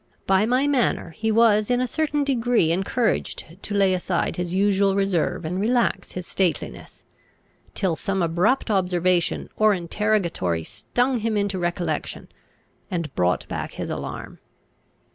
By my manner he was in a certain degree encouraged to lay aside his usual reserve, and relax his stateliness; till some abrupt observation or interrogatory stung him into recollection, and brought back his alarm.